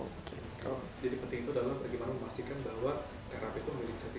jadi penting itu adalah bagaimana memastikan bahwa terapis itu memiliki sertifikasi dan kompetensi yang layak